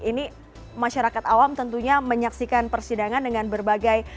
ini masyarakat awam tentunya menyaksikan persidangan dengan berbagai